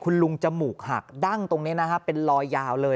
คุณลุงจมูกหักดั้งตรงนี้นะฮะเป็นรอยยาวเลย